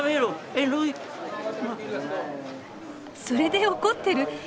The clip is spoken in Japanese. それで怒ってる。